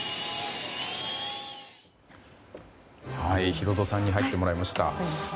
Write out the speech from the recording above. ヒロドさんに入ってもらいました。